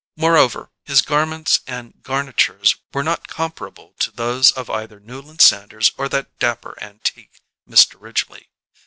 Moreover, his garments and garnitures were not comparable to those of either Newland Sanders or that dapper antique, Mr. Ridgely.